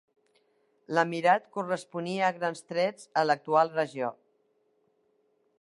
L'emirat corresponia a grans trets a l'actual regió.